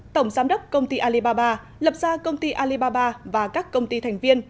tổng giám đốc công ty alibaba lập ra công ty alibaba và các công ty thành viên